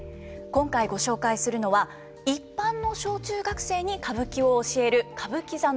今回ご紹介するのは一般の小中学生に歌舞伎を教える歌舞伎座の教室です。